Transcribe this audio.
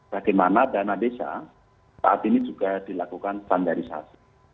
bagaimana dana desa saat ini juga dilakukan standarisasi